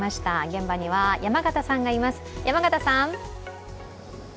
現場には山形さんがいます。